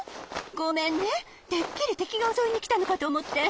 ごめんねてっきりてきがおそいにきたのかとおもって。